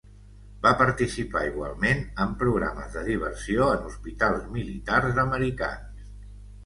Va participar igualment en programes de diversió en hospitals militars americans.